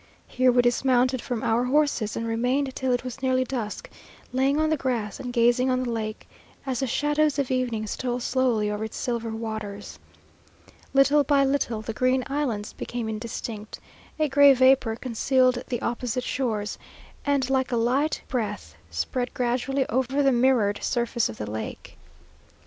Here we dismounted from our horses, and remained till it was nearly dusk, laying on the grass, and gazing on the lake, as the shadows of evening stole slowly over its silver waters. Little by little the green islands became indistinct; a gray vapour concealed the opposite shores; and like a light breath spread gradually over the mirrored surface of the lake.